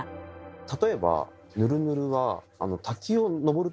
例えばえ？